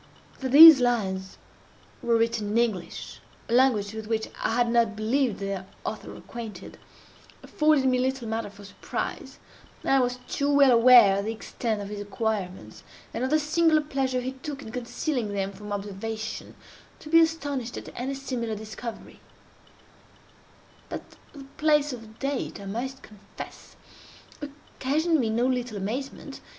That these lines were written in English—a language with which I had not believed their author acquainted—afforded me little matter for surprise. I was too well aware of the extent of his acquirements, and of the singular pleasure he took in concealing them from observation, to be astonished at any similar discovery; but the place of date, I must confess, occasioned me no little amazement.